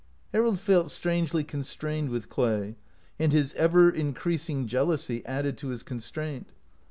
Harold felt strangely constrained with Clay, and his ever increasing jealousy added to his constraint.